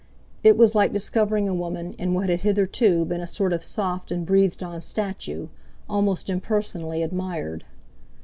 It was like discovering a woman in what had hitherto been a sort of soft and breathed on statue, almost impersonally admired.